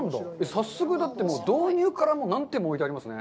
早速導入から何点も置いてありますね。